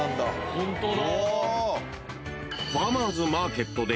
ホントだ。